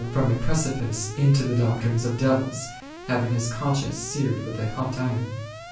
353 from a precipice into the " doctrines of devils," "having his conscience seared with a hot iron."